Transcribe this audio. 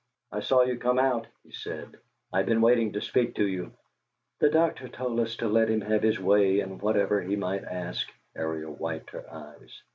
"I saw you come out," he said. "I've been waiting to speak to you." "The doctor told us to let him have his way in whatever he might ask." Ariel wiped her eyes.